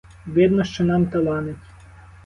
Видно, що нам таланить.